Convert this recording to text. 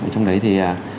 trong đấy thì